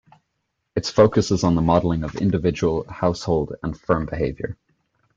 Its focus is on the modelling of individual, household and firm behaviour.